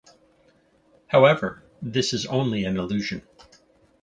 However, this is only an illusion.